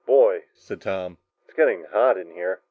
"Boy," said Tom, "it's getting hot in here!"